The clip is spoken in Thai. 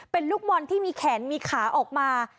เป็นลูกบอลที่มีแขนมีขาออกมา